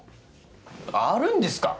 あるんですか？